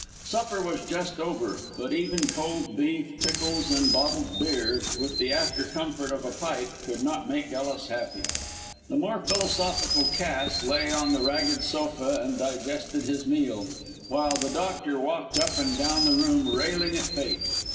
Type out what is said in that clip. Supper was just over, but even cold beef, pickles and bottled beer, with the after comfort of a pipe, could not make Ellis happy. The more philosophical Cass lay on the ragged sofa and digested his meal, while the doctor walked up and down the room railing at Fate.